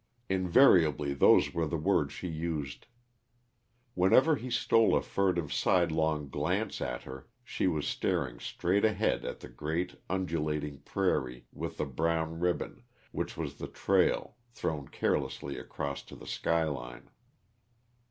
Invariably those were the words she used. Whenever he stole a furtive, sidelong glance at her, she was staring straight ahead at the great, undulating prairie with the brown ribbon, which was the trail, thrown carelessly across to the sky line.